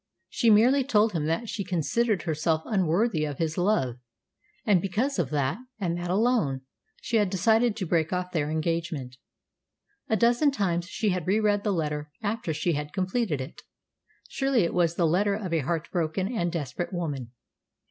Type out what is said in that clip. She merely told him that she considered herself unworthy of his love, and because of that, and that alone, she had decided to break off their engagement. A dozen times she had reread the letter after she had completed it. Surely it was the letter of a heart broken and desperate woman.